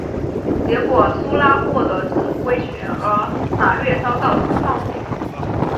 结果苏拉获得指挥权而马略遭到放逐。